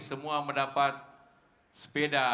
semua mendapat sepeda